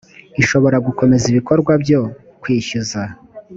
ishobora gukomeza ibikorwa byo kwishyuza